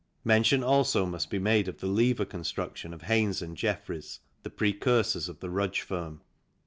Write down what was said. Mention also must be made of the lever construction of Haynes and Jeffries, the precursors of the Rudge firm.